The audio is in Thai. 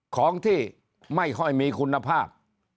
ของที่ไม่ค่อยมีคุณภาพ